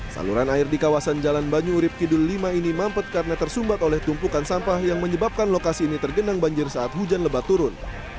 saluran air di kawasan jalan banyu urib kidul lima ini mampet karena tersumbat oleh tumpukan sampah yang menyebabkan lokasi ini tergenang banjir saat hujan lebat turun